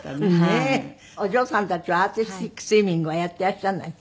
お嬢さんたちはアーティスティックスイミングはやっていらっしゃらないの？